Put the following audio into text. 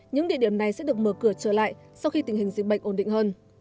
những địa điểm này sẽ được mở cửa trở lại sau khi tình hình dịch bệnh ổn định hơn